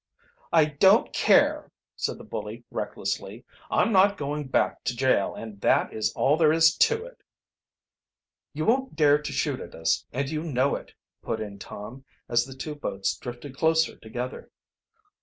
"I don't care!" said the bully recklessly. "I'm not going back to jail and that is all there, is to it!" "You won't dare to shoot at us, and you know it," put in Tom, as the two boats drifted closer together.